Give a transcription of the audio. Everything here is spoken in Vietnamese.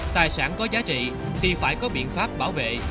tài sản có giá trị thì phải có biện pháp bảo vệ